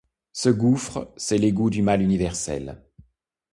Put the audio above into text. Ce gouffre, c’est l’égout du mal universel.